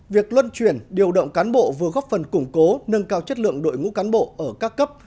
việc luân chuyển điều động cán bộ vừa góp phần củng cố nâng cao chất lượng đội ngũ cán bộ ở các cấp